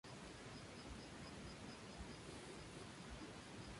El baterista Larry Mullen, Jr.